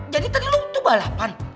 jadi tadi lo tuh balapan